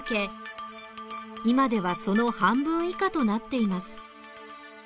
今ではその半分以下となっています。